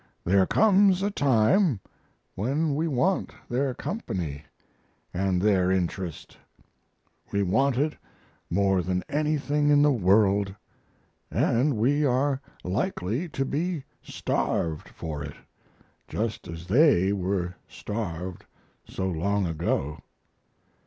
There comes a time when we want their company and their interest. We want it more than anything in the world, and we are likely to be starved for it, just as they were starved so long ago.